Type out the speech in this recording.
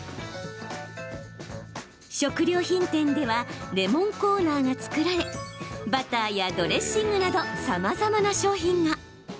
食料品店ではレモンコーナーが作られバターやドレッシングなどさまざまな商品が。